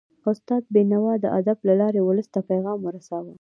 استاد بينوا د ادب له لارې ولس ته پیغام ورساوه.